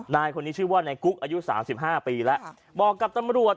นายคนนี้ชื่อว่านายกุ๊กอายุ๓๕ปีแล้วบอกกับตำรวจ